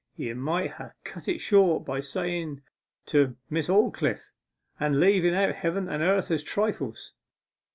You might ha' cut it short by sayen "to Miss Aldclyffe," and leaven out heaven and earth as trifles.